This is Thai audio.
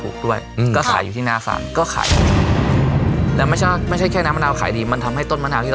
คิดวิจัยให้เป็นโอกาส